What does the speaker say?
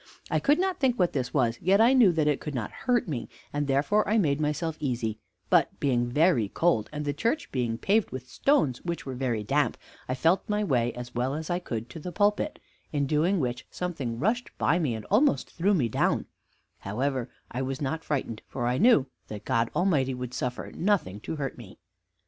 I could not think what this was, yet I knew that it could not hurt me, and therefore I made myself easy; but being very cold, and the church being paved with stones, which were very damp, I felt my way, as well as I could, to the pulpit; in doing which something rushed by me and almost threw me down, However, I was not frightened, for I knew that God Almighty would suffer nothing to hurt me.